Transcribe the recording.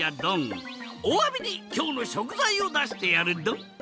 おわびにきょうのしょくざいをだしてやるドン！